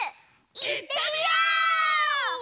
いってみよう！